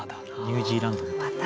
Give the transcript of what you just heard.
ニュージーランドみたい。